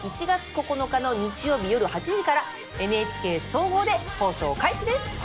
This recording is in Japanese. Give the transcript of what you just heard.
１月９日の日曜日夜８時からＮＨＫ総合で放送開始です！